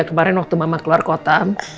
kemarin waktu mama keluar kota